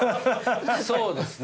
そうですね。